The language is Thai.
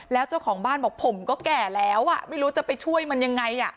แล้วเจ้าของบ้านบอกผมก็แก่แล้วไม่รู้จะไปช่วยมันยังไง